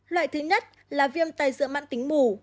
loại thứ nhất là viêm tai dữa mạng tính mù